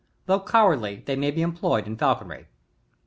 Although cowardly, they may be employed in falconry.